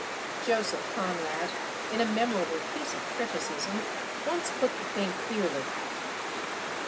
Joseph Conrad, in a memorable piece of criticism, once put the thing clearly.